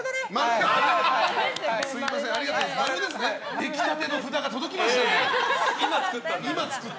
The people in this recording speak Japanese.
出来立ての札が届きました。